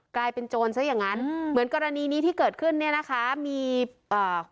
กลายเป็นโจรซะอย่างงั้นอืมเหมือนกรณีนี้ที่เกิดขึ้นเนี้ยนะคะมีอ่า